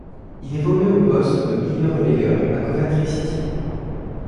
Il évolue au poste de milieu relayeur à Coventry City.